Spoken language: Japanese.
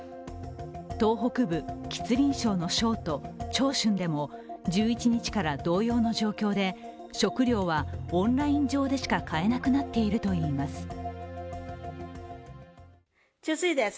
東北部吉林省の省都・長春でも１１日から同様の状況で食料はオンライン上でしか買えなくなっているといいます。